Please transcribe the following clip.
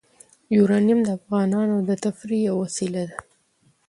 یورانیم د افغانانو د تفریح یوه وسیله ده.